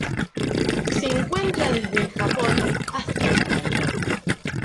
Se encuentra desde el Japón hasta Australia.